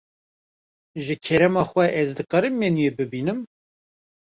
Ji kerema xwe, ez dikarim menûyê bibînim.